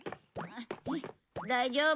大丈夫？